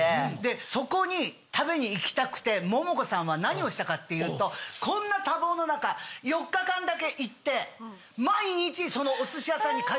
そこに食べに行きたくてモモコさんは何をしたかっていうとこんな多忙の中。だけ行ってそのお寿司屋さんに。